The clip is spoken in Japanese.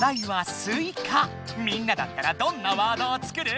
みんなだったらどんなワードを作る？